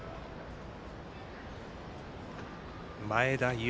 前田悠